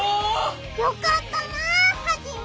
よかったなハジメ！